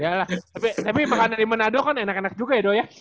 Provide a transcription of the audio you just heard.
yalah tapi makan dari manado kan enak enak juga ya do ya